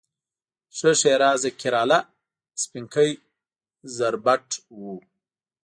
ښه ښېرازه کیراله، سپینکۍ زربټ و